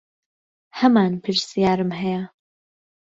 هەمان پرسیارم هەیە.